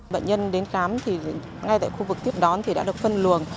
bệnh nhân đến khám thì ngay tại khu vực tiếp đón thì đã được phân luồng